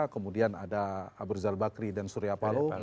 kemudian ada abruzal bakri dan surya palu